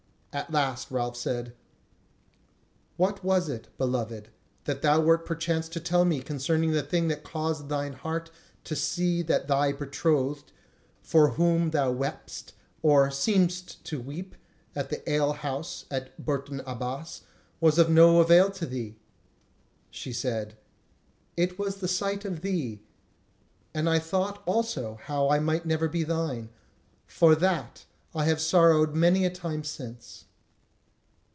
At last Ralph said: "What was it, beloved, that thou wert perchance to tell me concerning the thing that caused thine heart to see that thy betrothed, for whom thou wepst or seemedst to weep at the ale house at Bourton Abbas, was of no avail to thee?" She said: "It was the sight of thee; and I thought also how I might never be thine. For that I have sorrowed many a time since."